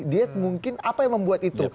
dia mungkin apa yang membuat itu